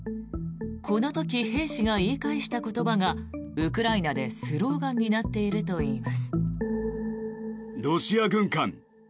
この時、兵士が言い返した言葉がウクライナでスローガンになっているといいます。